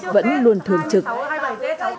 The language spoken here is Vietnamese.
vẫn luôn thường trị bà